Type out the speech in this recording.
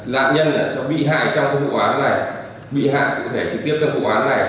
làn nhân bị hại trong vụ án này bị hại cụ thể trực tiếp trong vụ án này